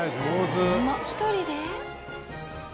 １人で？